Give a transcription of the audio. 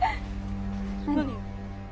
何？